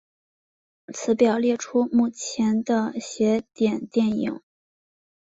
此表列出目前的邪典电影。